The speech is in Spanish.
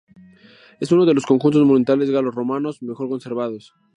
Es uno de los conjuntos monumentales galo-romanos mejor conservados.